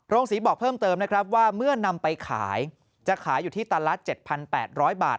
ศรีบอกเพิ่มเติมนะครับว่าเมื่อนำไปขายจะขายอยู่ที่ตันละ๗๘๐๐บาท